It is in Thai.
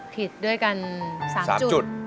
ผิดด้วยกัน๓จุด